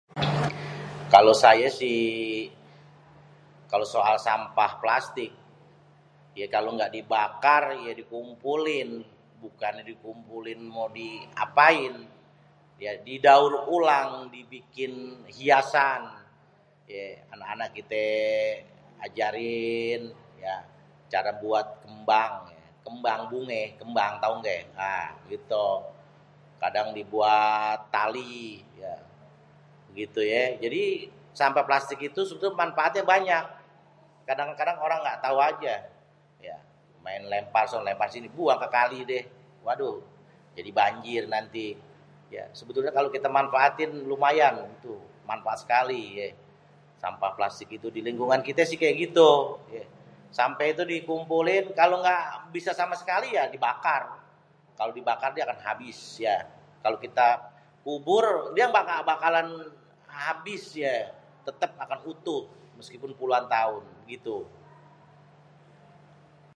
Kalo sayé sih kalo soal sampah plastik, ya kalo gak dibakar ya dikumpulin. Bukannya dikumpulin mau diapain tapi didaur ulang dibikin hiasan anak-anak kite ajarin ya cara buat kembang, kembang bungé tau nggé? gitu, kadang dibuat tali ya, gitu yé jadi sampah plastik itu manfaatnya banyak. Kadang-kadang orang gak tau aja, main lempar sono lempar sini, buang deh. Waduh jadi banjir nanti sebenernye kalo kita manfaatin lumayan itu manfaat sekali ye. Sampah plastik entu di lingkungan kita sih kayak gitu sampeh itu dikumpulin kalo gak bisa sama sekali ya dibakar, kalo dibakar dia akan habis ya. Kalo dikubur dia gak bakalan abis ye, tetep akan utuh meskipun puluhan tahun, gitu.